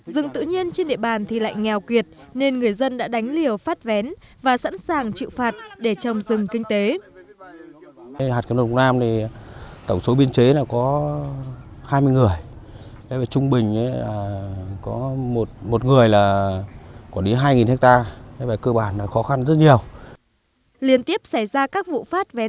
rừng tự nhiên trên địa bàn thì lại nghèo kiệt nên người dân đã đánh liều phát vén và sẵn sàng chịu phạt để trồng rừng kinh tế